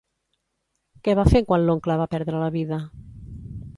Què va fer quan l'oncle va perdre la vida?